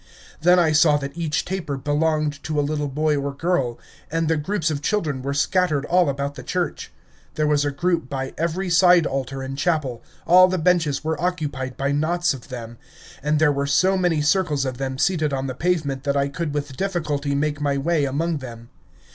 Then I saw that each taper belonged to a little boy or girl, and the groups of children were scattered all about the church. There was a group by every side altar and chapel, all the benches were occupied by knots of them, and there were so many circles of them seated on the pavement that I could with difficulty make my way among them.